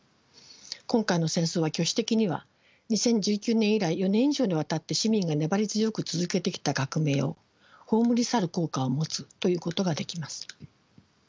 今回の戦争は巨視的には２０１９年以来４年以上にわたって市民が粘り強く続けてきた革命を葬り去る効果を持つと言うことができます。